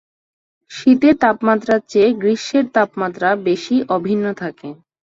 শীতের তাপমাত্রার চেয়ে গ্রীষ্মের তাপমাত্রা, বেশি অভিন্ন থাকে।